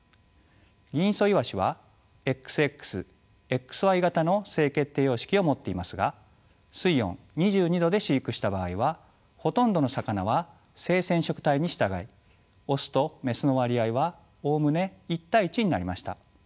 ギンイソイワシはＸＸＸＹ型の性決定様式を持っていますが水温２２度で飼育した場合はほとんどの魚は性染色体に従いオスとメスの割合はおおむね１対１になりました。